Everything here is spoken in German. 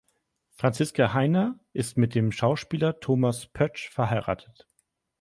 Franziska Hayner ist mit dem Schauspieler Thomas Pötzsch verheiratet.